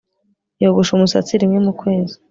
yogosha umusatsi rimwe mu kwezi